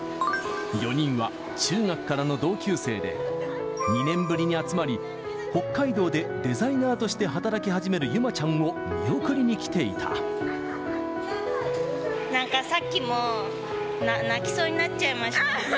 ４人は中学からの同級生で、２年ぶりに集まり、北海道でデザイナーとして働き始めるゆまちゃんを見送りに来ていなんかさっきも、泣きそうになっちゃいました。